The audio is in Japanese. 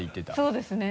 そうですね。